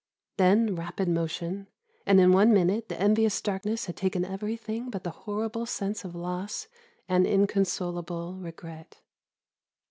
Then rapid motion, and in one minute the envious darkness had taken everything but the horrible sense of loss and inconsolable regret.